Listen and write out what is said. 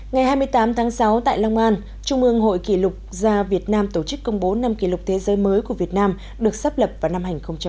ngày hai mươi tám tháng sáu tại long an trung ương hội kỷ lục gia việt nam tổ chức công bố năm kỷ lục thế giới mới của việt nam được sắp lập vào năm hai nghìn một mươi